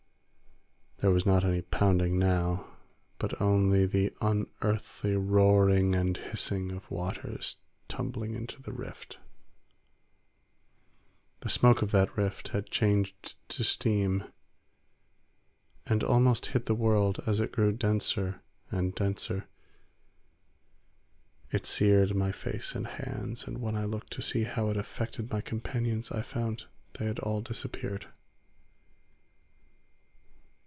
There was not any pounding now, but only the unearthly roaring and hissing of waters tumbling into the rift. The smoke of that rift had changed to steam, and almost hid the world as it grew denser and denser. It seared my face and hands, and when I looked to see how it affected my companions I found they had all disappeared.